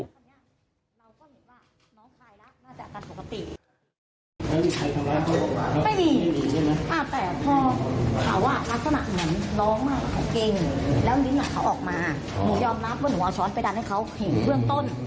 ช้อนไปดันให้เขาเห็นเรื่องต้น